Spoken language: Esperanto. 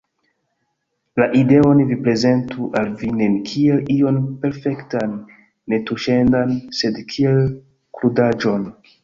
La ideon vi prezentu al vi ne kiel ion perfektan, netuŝendan, sed kiel krudaĵon.